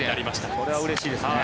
それはうれしいですね。